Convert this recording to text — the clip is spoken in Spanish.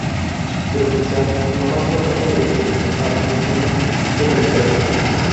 Pero quizás, la más notable de su aficiones fue la literaria.